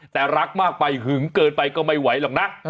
แต่รักมากไปหึงเกินไปก็ไม่ไหวหรอกนะ